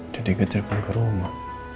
dia digetirkan ke rumah